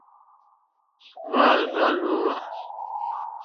Hwá àrzà lǒhwà.